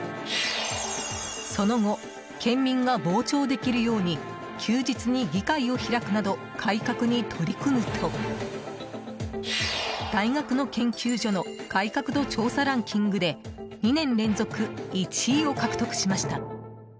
その後、県民が傍聴できるように休日に議会を開くなど改革に取り組むと大学の研究所の改革度調査ランキングで２年連続１位を獲得しました。